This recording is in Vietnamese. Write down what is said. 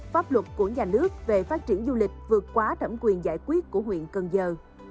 pháp luật của nhà nước về phát triển du lịch vượt quá thẩm quyền giải quyết của huyện cần giờ